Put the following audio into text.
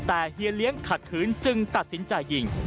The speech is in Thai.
แต่เฮียเลี้ยงขัดขืนจึงตัดสินใจยิง